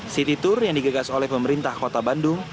city tour yang digagas oleh pemerintah kota bandung